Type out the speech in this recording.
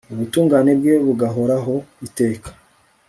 ubutungane bwe bugahoraho iteka